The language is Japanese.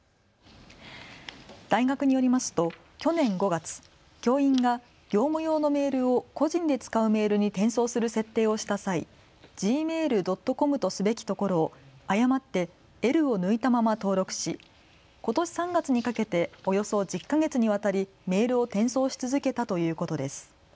大学によりますと去年５月、教員が業務用のメールを個人で使うメールに転送する設定をした際、ｇｍａｉｌ．ｃｏｍとすべきところを誤ってｌを抜いたまま登録し、ことし３月にかけておよそ１０か月にわたりメールを転送し続けたということです。